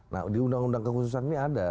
nah di undang undang kekhususan ini ada